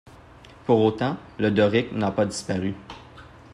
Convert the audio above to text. Pour autant, le doric n'a pas disparu.